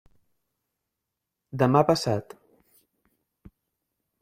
Demà passat.